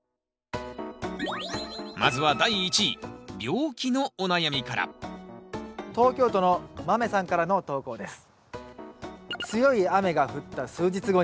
まずは第１位病気のお悩みから東京都の豆さんからの投稿です。